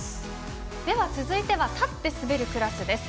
続いては立って滑るクラス。